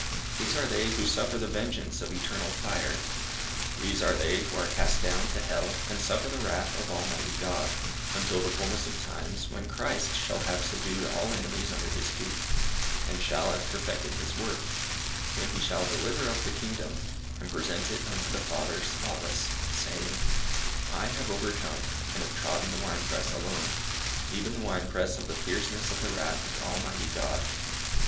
These are they who suffer the vengeance of eternal fire. These are they who are cast down to hell and suffer the wrath of Almighty God, until the fulness of times when Christ shall have subdued all enemies under his feet, and shall have perfected his work, when he shall deliver up the Kingdom, and present it unto the Father spotless, saying I have overcome and have trodden the wine press alone, even the wine press of the fierceness of the wrath of Almighty God.